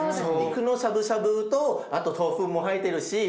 肉のしゃぶしゃぶとあと豆腐も入ってるし。